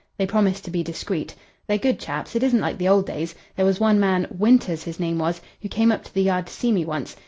They promised to be discreet. They're good chaps. It isn't like the old days. There was one man Winters his name was who came up to the Yard to see me once.